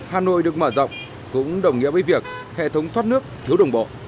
hà nội được mở rộng cũng đồng nghĩa với việc hệ thống thoát nước thiếu đồng bộ